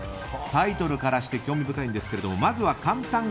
タイトルからして興味深いんですけどもまずは「カンタン！